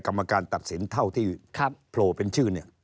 กรรมการตัดสินเท่าที่โปรเป็นชื่อ